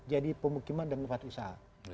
jadi pemukiman dan tempat usaha